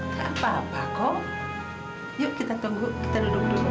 nggak apa apa kok yuk kita tunggu kita duduk dulu